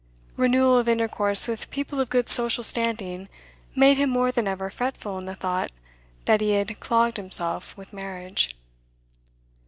Renewal of intercourse with people of good social standing made him more than ever fretful in the thought that he had clogged himself with marriage.